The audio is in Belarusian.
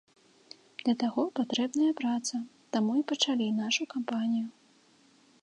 Для таго патрэбная праца, таму і пачалі нашу кампанію.